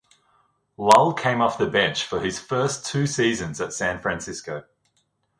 Lull came off the bench for his first two seasons at San Francisco.